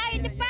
dia dia dia dia